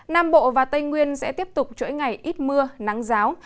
nam bộ và tây nguyên sẽ tiếp tục chuỗi ngày ít mưa nắng giáo